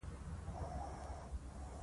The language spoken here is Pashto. دا د سیاست په ډګر کې حیاتی عنصر و